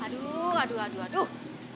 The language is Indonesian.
aduh aduh aduh